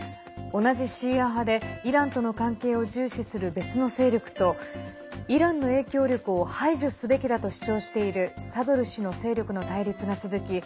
同じシーア派でイランとの関係を重視する別の勢力とイランの影響力を排除すべきだと主張しているサドル師の勢力の対立が続き